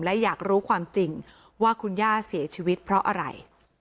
และอยากรู้ความจริงว่าคุณย่าเสียชีวิตเพราะอะไร